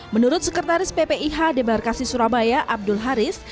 menurut sekretaris ppih debar kasi surabaya abdul haris